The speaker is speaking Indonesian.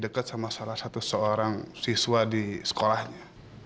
dekat sama salah satu seorang siswa di sekolahnya